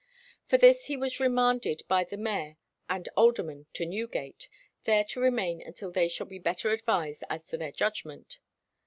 For this he was remanded by the mayor and aldermen to Newgate, there to remain until they shall be better advised as to their judgment.